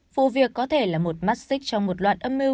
vụ việc có thể là một mắt xích trong một loạt âm mưu